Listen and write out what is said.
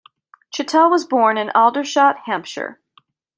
Chittell was born in Aldershot, Hampshire.